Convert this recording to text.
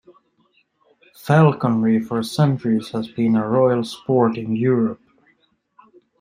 Falconry for centuries has been a royal sport in Europe.